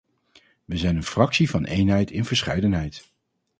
Wij zijn een fractie van eenheid in verscheidenheid.